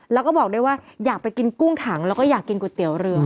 แล้วก็บอกด้วยว่าอยากไปกินกุ้งถังแล้วก็อยากกินก๋วยเตี๋ยวเรือ